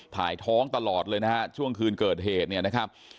ถ่ายท้องตลอดเลยนะฮะช่วงคืนเกิดเหตุเนี่ยนะครับ